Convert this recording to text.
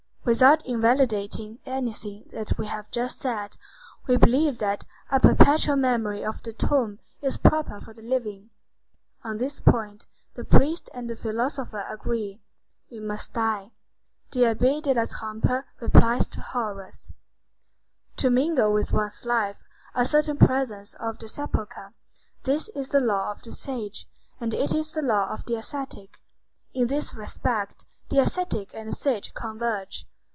Without invalidating anything that we have just said, we believe that a perpetual memory of the tomb is proper for the living. On this point, the priest and the philosopher agree. We must die. The Abbé de la Trappe replies to Horace. To mingle with one's life a certain presence of the sepulchre,—this is the law of the sage; and it is the law of the ascetic. In this respect, the ascetic and the sage converge.